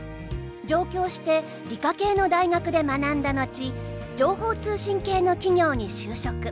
上京して理科系の大学で学んだ後情報通信系の企業に就職。